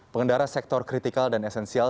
pengendara sektor kritikal dan esensial